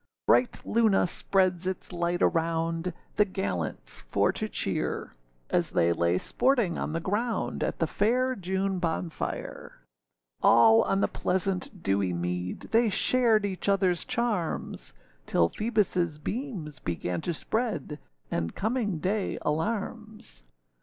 Bright Luna spreads its light around, The gallants for to cheer; As they lay sporting on the ground, At the fair June bonfire. All on the pleasant dewy mead, They shared each otherâs charms; Till Phoebusâ beams began to spread, And coming day alarms.